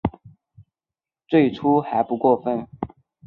最初还不过分